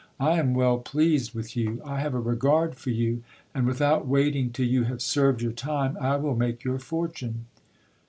I am well pleased with you, I have a regard for you, and without waiting till you have served your time, I will make your fortune.